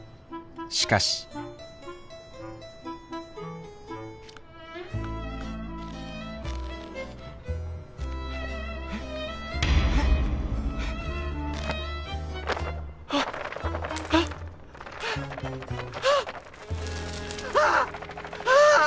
しかしあっあっああ！